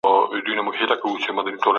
نوی نسل ولې بايد تېر تاريخ په دقت ولولي؟